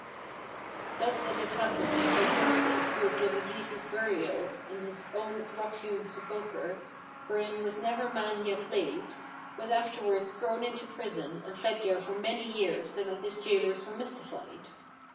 Thus it had happened that Joseph, who had given Jesus burial in his own rock hewn sepulchre "wherein was never man yet laid," was afterwards thrown into prison and fed there for many years so that his jailers were mystified.